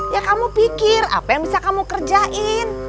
ya kamu pikir apa yang bisa kamu kerjain